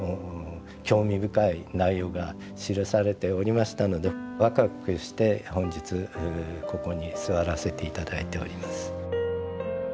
興味深い内容が記されておりましたのでわくわくして本日ここに座らせていただいております。